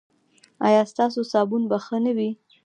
ایا ستاسو صابون به ښه نه وي؟